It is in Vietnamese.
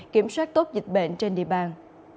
kiểm soát tốt dịch bệnh trên địa bàn